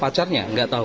pacarnya nggak tahu